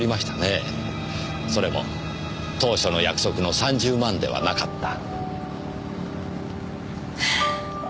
それも当初の約束の３０万ではなかった。